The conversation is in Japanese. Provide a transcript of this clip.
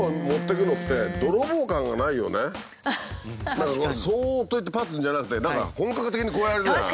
何かそっと行ってぱっていうんじゃなくて本格的にこうやるじゃない。